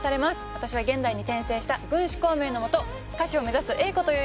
私は現代に転生した軍師孔明の下歌手を目指す英子という役を。